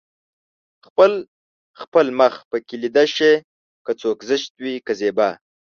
خپل خپل مخ پکې ليده شي که څوک زشت وي که زيبا